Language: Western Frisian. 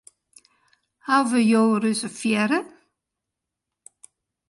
Hawwe jo reservearre?